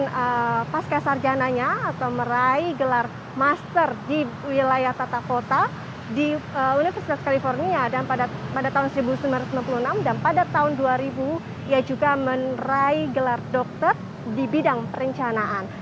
dengan pasca sarjananya atau meraih gelar master di wilayah tata kota di universitas california dan pada tahun seribu sembilan ratus sembilan puluh enam dan pada tahun dua ribu ia juga meraih gelar dokter di bidang perencanaan